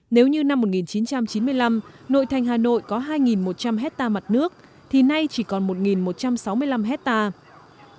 nếu như năm một nghìn chín trăm chín mươi năm nội thành hà nội có hai một trăm linh hectare mặt nước thì nay chỉ còn một một trăm sáu mươi năm hectare